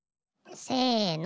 せの。